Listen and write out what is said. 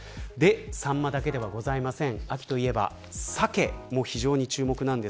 サンマだけではございません。